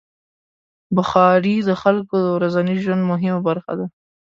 بخاري د خلکو د ورځني ژوند مهمه برخه ده.